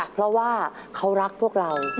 เพราะว่าเขารักพวกเรา